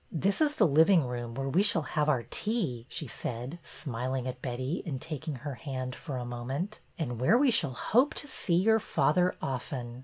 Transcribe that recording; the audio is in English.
This is the living room, where we shall have our tea," she said, smiling at Betty and taking her hand for a moment, " and where we shall hope to see your father often."